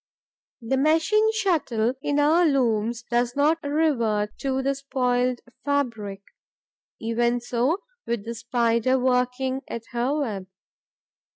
The machine shuttle in our looms does not revert to the spoiled fabric; even so with the Spider working at her web.